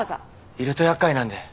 いると厄介なんで。